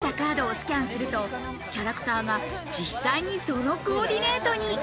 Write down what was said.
髪形や洋服が描かれたカードをスキャンすると、キャラクターが実際にそのコーディネートに。